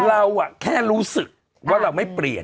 เราแค่รู้สึกว่าเราไม่เปลี่ยน